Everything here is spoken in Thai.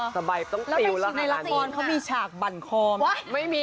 แล้วไปชินในลักษณ์เขามีฉากบั่นคอไหม